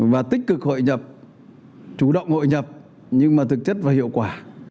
và tích cực hội nhập chủ động hội nhập nhưng mà thực chất và hiệu quả